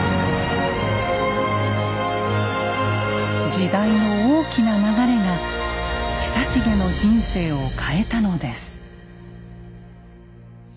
時代の大きな流れが久重の人生を変えたのです。